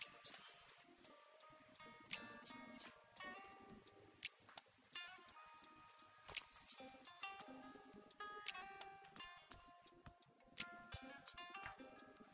husin sayang tadi kan tante tante